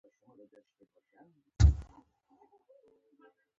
منظور احمد پښتين د لوی افغانستان د داعیې لارښود او رهبر دی.